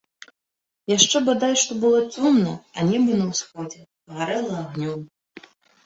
Яшчэ бадай што было цёмна, а неба на ўсходзе гарэла агнём.